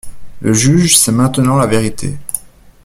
Le juge sait maintenant la vérité.